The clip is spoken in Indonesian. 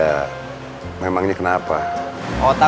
rencana sih gak ada memangnya kenapa